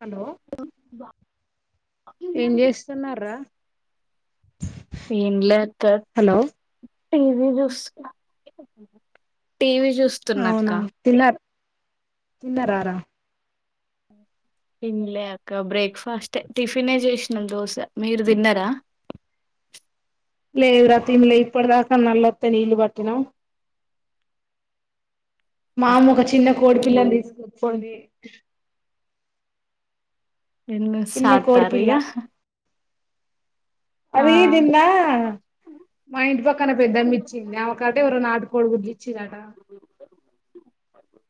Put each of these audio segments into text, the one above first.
Hello ఏం చేస్తున్నారు రా ఏం లేదక్క హలో టీ వీ చూస్తున్న [unintelligible] టీ వీ చూస్తున్నాక్క తిన్నారా రా తిన్లె అక్క బ్రేక్ఫాస్ట్ టిఫిన్ చేసినాం దోశ మీరు తిన్నరా లేదు రా తిన్లే ఇప్పుడుదాకా మల్లోత్తే నీళ్లు పట్టినము మా అమ్మ ఒక చిన్న కోడి పిల్లని తీసుకొచ్చింది ఎన్ని చిన్న సాకుతారు ఇగ కోడిపిల్ల అది నిన్న మా ఇంటి పక్కన పెద్దమ్మ ఇచ్చింది ఆమెకట ఎవరో నాటుకోడు గుడ్లి ఇచ్చింరట [inaudible]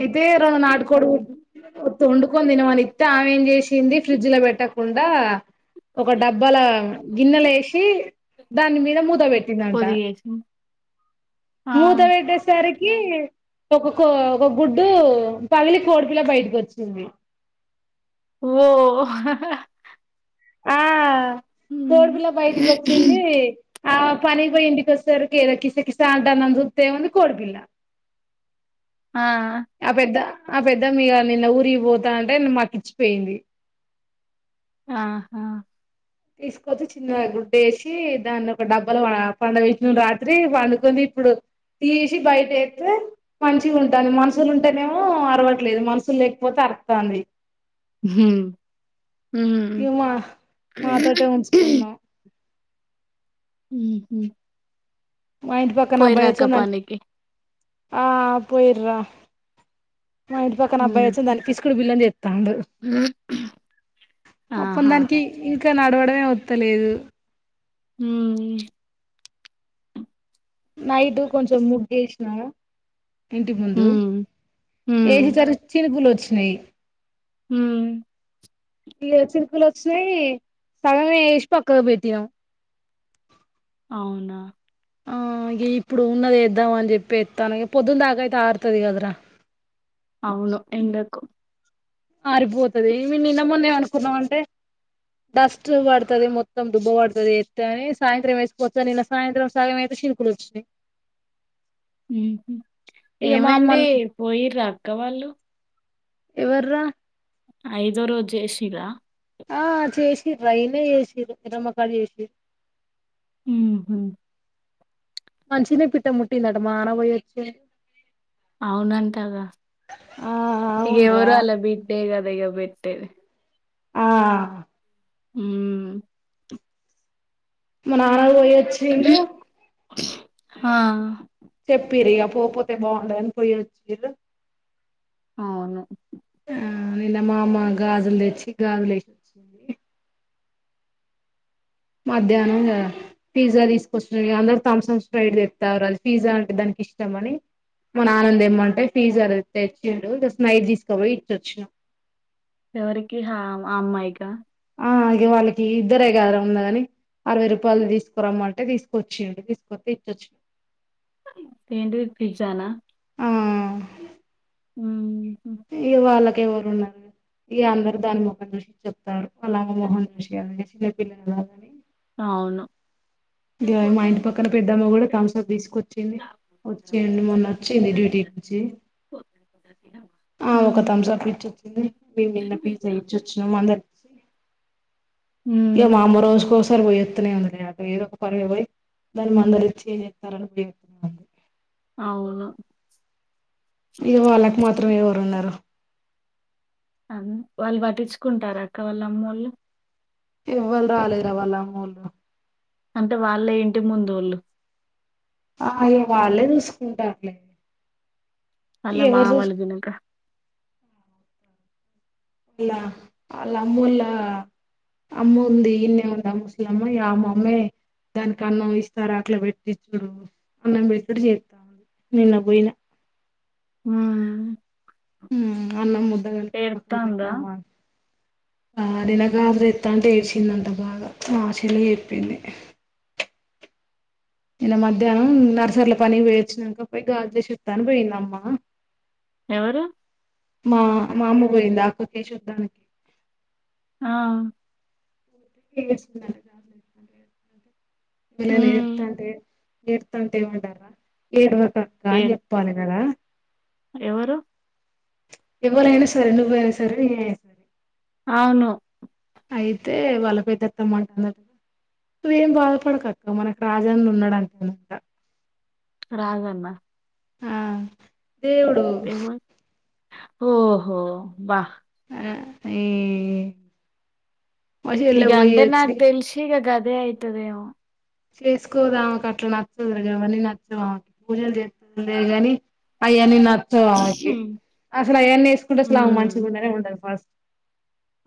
అయితే రొండు నాటుకోడి గు తో వండుకొని తినమని ఇత్తే ఆమె ఏం చేసింది ఫ్రిడ్జ్ ల పెట్టకుండా ఒక డబ్బల గిన్నెల వేసి దాని మీద మూత పెట్టిందంట పొదిగేసి ఆ మూత పెట్టేసరికి ఒక కో ఒక గుడ్డు పగిలి కోడిపిల్ల బయటకి వచ్చింది ఓ కోడి హ్మ్. పిల్ల బయటికి వచ్చింది ఆమె పనికి పోయి ఇంటికి వచ్చేసరికి ఏదో కిసకిస అంటదని చూత్తే ఏముంది కోడి పిల్ల [inaudible] ఆ ఆ పెద్దమ్మ ఇగ నిన్న ఊరికి పోతంటె మాకు ఇచ్చి పోయింది ఆహా తీసుకొచ్చి చిన్న గుడ్డేసి దాన్ని ఒక డబ్బల పా పండబెట్టినం రాత్రి పండుకొని ఇప్పుడు తీసి బయట ఎత్తే మంచిగా ఉంటాంది మనుషులు ఉంటేనేమో అరవట్లేదు మనుషులు లేకపోతే అర్థాంధి ఇగ మా మ్మ్ మాతోటే ఉంచుకున్నాం హ్మ్ హు మాయింటి పక్కన అబ్బాయి వచ్చి నాక్ ఆ పోయిర్రా మా ఇంటి పక్కన అబ్బాయి వచ్చి హ్మ్ దాన్ని పిసికుడు పిల్లని చే త్తండు పాపం ఆహా దానికి ఇంకా నడవడమే వత్తలేదు మ్మ్ నైటు కొంచం ముగ్గు ఏసిన ఇంటి ముందు హ్మ్ హ్మ్ వేసేసరికి చినుకులు వచ్చినాయి మ్మ్ ఇగ చినుకులు వచ్చినాయి సగం ఏసి పక్కకు పెట్టినము [inaudible] అవున ఆ ఇ ఇప్పుడు ఉన్నదేద్దాం అని చెప్పి ఎత్తన్న పొద్దున దాక అయితే ఆరుతది కదరా. అవును ఎండకు ఆరిపోతది నిన్న, మొన్న ఏమనుకున్నాం అంటే డస్ట్ పడతుది మొత్తం దుమ్ము పడుతది ఎత్ అని సాయంత్రం వేసుకొస్తా నిన్న సాయంత్రం సగం వే సి ఇప్పుడు వచ్చినయ్ మా అమ్మ ఏమైంది పోయిరా అక్క వాళ్ళు ఎవర్రా ఐదో రోజు జేసీర్రా ఆ చేసిర్ర అయినే చేసిరూ ఇరమకా చేసి ఊహు మంచినే పిట్ట ముట్టిందట మా నాన్న పోయొచ్చు అవునంటగా ఆ ఇగ అవునురా ఎవరు ఆల్ల బిడ్డే కదా పెట్టె ఆ హు మా నాన్న పోయొచ్చిండు ఆ చెప్ పిరియ పో పోతే బాగుండు అని పోయితుర్రు అవును ఆ నిన్న మామ గాజులు తెచ్చి గాజులు వేసి మధ్యాహ్నంంగా పిజ్జా తీసుకొచ్చి అందరుూ థాంసంప్ స్ఫ్రైట్ తెత్తారు అది పిజ్జా అంటే దానికి ఇష్టం అని మ నాన్నని దెమ్మంటె పీజ్జ దెచ్చిండు జస్ట్ నైట్ తీసుకోపోయి ఇచ్చొచ్చినాం ఎవరికి హ అమ్మా యిక ఆ అగే వాళ్ళకి ఇద్దరే కదా ఉందా ని అరవై రూపాయలు తీసుకురమ్మంటే తీసుకొచ్చిడి తీసుకొస్తతే ఇచ్చొచ్చి ఏంటిది ఫిజ్జనా ఆ ఆ ఇ వాళ్ళకి ఎవరు ఉన్నారు ఇ అందరు దాని ముఖం చూసి చెప్తారు అలా ఆమె మోహమ్ చూసి [unintelligible] పలని కవును ఇ మా ఇంటి పక్కన పెద్దమ్మ కూడా థమ్సప్ తీసుకొచ్చింది వచ్చేయండి మొన్న వచ్చింది డ్యూ హెచ్ ఆ ఒక ఉమ్, థమ్సాప్ ఇచ్చొచ్చింది మేము నిన్న పిజ్జా ఇచ్చొచ్చినాము అందరి ఇక ఉమ్, మా అమ్మ రోజుకోసారి పోయిస్తనె ఉన్నాయి అందులే ఏదో పర్వపోయి దాన్ని మందరిచ్చ చెత్తారని చెప్తున్నాడి అవును ఇక వాళ్ళకి మాత్రం ఎవరున్నారు వాళ్ళు పట్టించుకుంటార అక్క వాళ్ళ అమ్మోళ్ళు ఇవ్వల్ రాలేదరా వాళ్ళమ్మెలు అంటే వాళ్ళ ఇంటి ముందులోళ్ళు అ అయో వాళ్ళే చూసుకుంటారులే అలా మా ఎవరు చూసు వాల్ దినుకా ఇలా వాళ్లమ్మాళ్ల అమ్మ ఉంది ఇన్ని ఉందా ముస్లిమ్మా అమమ్మ్మే దానికి అన్నం ఇస్తారు అట్లా పెట్టి చుడు అన్నం పెట్టుడు చేస్తా నిన్న పోయినా ఉమ్, ఉమ్ అన్నమ్ ఏర్తాంద ఆ దినగ రెత్త అంటే ఏర్సిందట బాగా మా చెల్లి చెప్పింది నిన మధ్యాహ్నం నర్సరీలో పని పోేయిచ్చినాక పోయి గాజ్లే చస్తాని పోయింద అమ్మా ఎవరు ఆ మా అమ్మ పోయింది అక్కడికి చూదామని ఆ పిల్లలు ఉమ్, ఎత్తాంటే ఏర్తుంటే ఏమంటారూ ఏరవకు అక్క అని ఏడు చెప్పాలి కదా ఎవరు ఎవ్వలేనా సరే నువ్వైనా సరే ఏ అవును అయితే వాలపెదత్త మాన్ ఉ నువ్ ఏం బాధపడకక్క మనకు రాజాన్న ఉన్నాడు అనుకుంట రాజన్న ఆ దేవుడు ఎవరు ఓహో వా్ ఆ ఏ ఇగ అంటే నాగ్ తెల్సిి ఇగ గదే అయితదేమో చేసుకోదు ఆమెకి అట్లా నచ్చదు గవన్నీ నచ్చవు ఆమెకి పూజలు చేస్కుందే గాని అయన్నీ నచ్చవు ఆమెకి అసలు అవన్నీ వేసుకుంటే అసలు ఆమె ఉమ్, మంచిగానే ఉండదు ఫస్ట్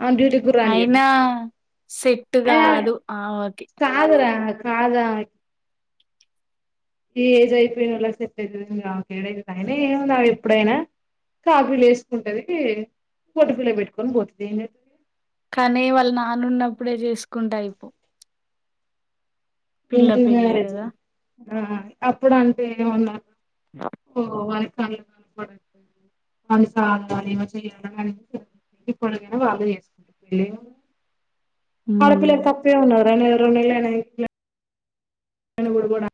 ఆమెను డ్యూటీకి కూడా రానీయరు అయినా సెట్ అయినా కాదు ఆ కాదురా కాద ఈ ఏజ్ అయిపోయినళ్ళక్ సెట్ అవుతుందిక అయినా ఏం గాదు ఎప్పుడైనా కాపులు వేసుకుంటది బొట్ పిల్ల పెట్టుకొని పోతుంది ఏంటంట కానీ వాళ్ళ నాన్న ఉన్నప్పుడే చేసుకుంటయిపో ఏంటి పెళ్లి మ్యారేజ్ కదా ఆ అప్పుడు అంటే ఏమన్నారు ఓ వారి కళ్ళు కనపడ [unintelligible] మా చెల్లి ఎప్పుడికైనా వాళ్ళే చేసుకుంటార్ లే ఆడపిల ఉమ్ తప్పే ఉన్నారనే రెన్నేళ్లు అయిన ఇన్ ను కూడాకూడా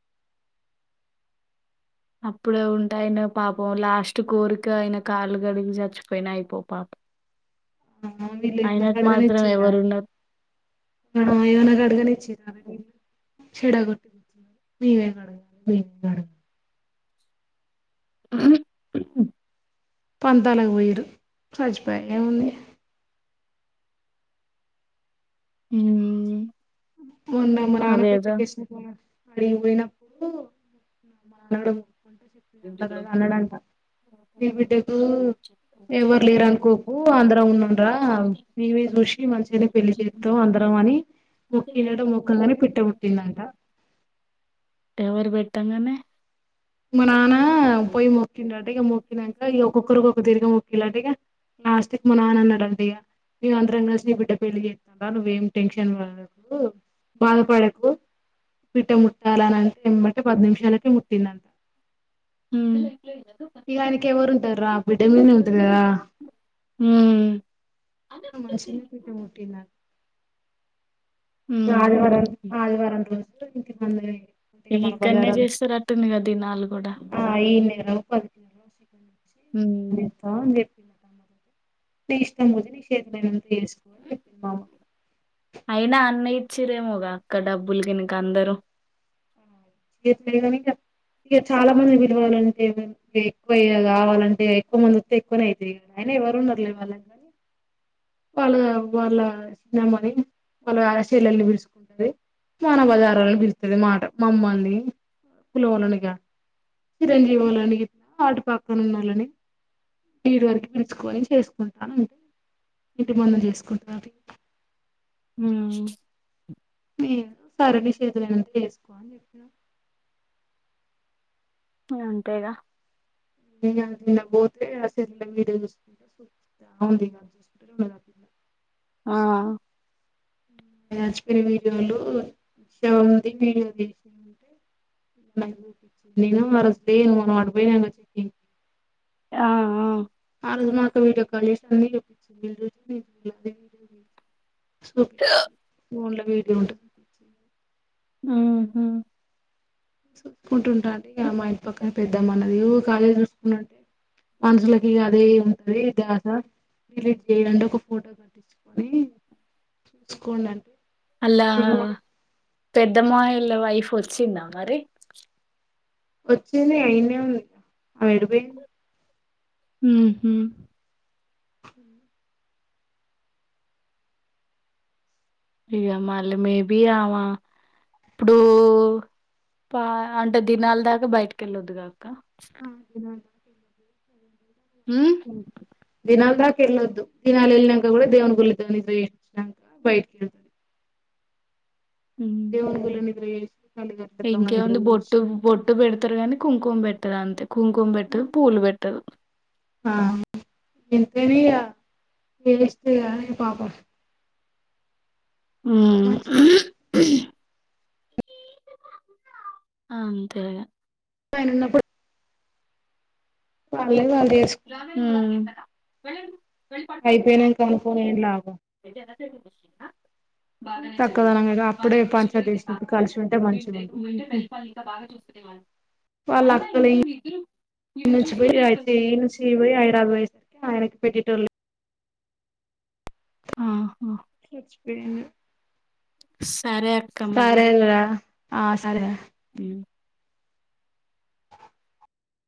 అప్పుడే ఉంటాయన పాపం లాస్ట్ కోరిక అయన కాళ్ళు గడిగి చచ్చిపోయిన అయిపో పాపం అవును నిన్ను ఏమన్నా ఆయనకు మాత్రం కడగనిచ్చిందా ఎవరున్నారు ఆ ఏమన్నా గడగనిచ్చిందా చెడ కొట్ నవేనా నీవే గడగాలి ఉమ్ పంతాలకు పోయిర్రు సచ్పోయ ఏమ్ ఉంది ఊమ్ మొన్న మా నాన్న పై పెద్ద కేసు కొన్నాను మడి పోయినప్పుడు అందగా అన్నాడంట మీ బిడ్డకు ఎవరు లేరు అనుకోకు అందరమ్ ఉన్నాంరా నీవేస్ చూసి మంచిగనే పెళ్లి చేత్తం అందరం అని కిందట మొక్కగనే పిట్టముట్టిందట ఎవరు పెట్టంగనే మ నానా పోయి మొక్కిండట ఇగ మొక్కినంక ఇగ ఒక్కొక్కరు ఒక్కొక్క తీరుగ మొక్కిళ్ళంట లాస్ట్ కు మ నాన అన్నడంటిగా మేం అందరం కలిసి నీ బిడ్డ పెళ్లి చెత్తం రా నువ్వేం టెన్షన్ పడకు బాధపడకు పిట్ట ముట్టాలనంటే ఎమ్మటే పది నిమిషాలకే ముట్టిందంట హ్మ్ ఇగాయనికి ఎవరు ఉంటర్ర బిడ్డ మీదనే ఉంటది గదా మంచిగనే పిట్ట ముట్టిందట ఇగ హ్మ్. ఆదివారం ఆదివారం రోజు ఇంటిముందు ఇగిక్కడ్నే చేస్తరట్టుంది కదా దినాలు గుడ నేరో పది కిలలో చికన్ దెచ్చి ఇంటిముందు హ్మ్. చెత్తం అని చెప్పిండట అన్న ని ఇష్టం వదినే నిక్ షేతనైనంత చేసుకోమని చెప్పింది మా అమ్మ అయినా అన్ని ఇచ్చిర్రేమోగా అక్క డబ్బులు గినక అందరూ చెత్తలేదేమో ఇంక ఇగ చాలా మంది పిలవాలంటే ఎక్కువ గావాలంటే ఎక్కువ మంది ఒత్తె ఎక్కువనే అయితయి గదరా అయి న ఎవరున్నరులే వాళ్ళక్ గని వాళ్ళుగా వాళ్ళ చిన్నమ్మని వాళ్ళ చెల్లెల్ని పిల్సుకుంటది మాన బజారోల్లని పిలుత్తది మాట మమ్మల్ని కులమొల్లని గిట్ల చిరంజీవోలని గిట్లా అటుపక్కనున్నోళ్ళని ఈడి వరకు పిలుచుకొని చేసుకుంటా అంటే ఇంటి ముందు జేసుకుంట అది ఉమ్ ఏమో సరే నీకు చేతనైనంత చేసుకో అని చెప్పిన ఇగంతేగా ఇగా నిన్న బోతే ఆ సెల్లుల వీడియో జూసుకుంట సూ త్తా ఉందిగ అది జూసుకుంటనే ఉన్నది అట్టిగనే ఆ సచ్చిపోయిన వీడియోలు శవంది వీడియో తీసిన్రంటె నేను ఆరోజు [unintelligible] మనం అటు పోయినం గద చిట్టి ఆ ఆ ఆరోజ మా అక్క వీడియో కాల్ జేసి అన్ని జూపిచ్చింది [unintelligible] చూపిచ్చింది ఫోన్ లో వీడియో ఉంటె చూపిచ్చింది ఉమ్ హ్ చూసుకుంటుంటాంటె ఇగ మా ఇంటి పక్కన పెద్దమ్మ అన్నది ఇగూకే అదే చూసుకుంటంటే మనుషులకిగ అదే ఉంటది ద్యాస డిలీట్ చేయ్యండి ఒక ఫోటో గట్టిచ్చు కొని చూసుకోండంటే అల్లా పెద్ద మామయ్యోల్ల వైఫ్ వచ్చిందా మరి వచ్చిందిగ ఈడ్నే ఉందిగా ఆమె ఎటుపోయింది ఉమ్ హ్ హ ఇగ మల్లి మే బీ ఆమా ఇప్పుడూ పా అంటే దినాల దాకా బయటికెళ్ళొద్దుగా కా డి దినల్ దాక్ కెల్లోద్దు దినాలు ఎల్లి నంక కూడా దేవున్ గుళ్ళకి పోయిర్రు హ్మ్ దేవున్ గుళ్ళో నిద్ర చె ఇంకేముంది బొట్టు బొట్టు పెడతారు గానీ కుంకుమ పెట్టరు అంతే కుంకుంపెట్టార్ పూలుపెట్టారు తెలీదా తెలిస్తే కానీ పాపం మంచ్ అంతెగా ఆయన ఉన్నప్పుడు వాళ్ళే వాళ్ళు చేసుకున్నారు హ్మ్ అయిపోయినంక అనుకోని ఏం లాభం [unintelligible] బాగానే జరిగింది చక్కదనంగా మా అప్పుడే జనరేషలో పంచాయతీ ఇది చేసినప్పుడు కలిసి ఉంటే కాండ మంచిగా ఉండు తెలిపాలి ఇంకా బాగా చూ వాళ్ళ అయినా అక్కలు ఏం ఇంట్లోమీద్దరు మీరు చూ నుంచి పోయి ఇ నుంచి పోయి హైదరాబాద్ పోయేసరికి ఆయనకి పెట్టటోళ్లులేర్ ఆ హా సచ్చిపెయిన్ సారే అక్క మరి ఆ సరే ర ఊ